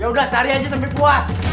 yaudah tarian aja sampai puas